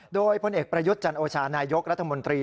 โดยพลเอกประยุทธ์จันโอชานายกรัฐมนตรี